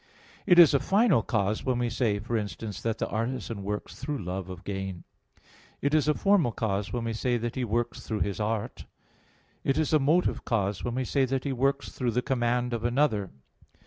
It is a final cause when we say, for instance, that the artisan works through love of gain. It is a formal cause when we say that he works through his art. It is a motive cause when we say that he works through the command of another.